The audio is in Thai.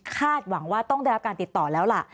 หวังว่าต้องได้รับการติดต่อแล้วล่ะ